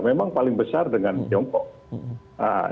memang paling besar dengan tiongkok